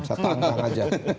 saya tanggung aja